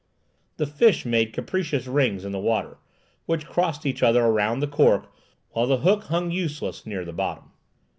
The fish made capricious rings in the water, which crossed each other around the cork, while the hook hung useless near the bottom.